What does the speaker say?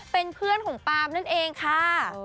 เป็นเพื่อนของปาล์มนั่นเองค่ะ